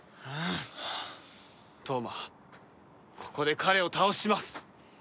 飛羽真ここで彼を倒します！